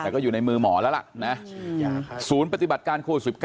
แต่ก็อยู่ในมือหมอแล้วล่ะนะศูนย์ปฏิบัติการโควิด๑๙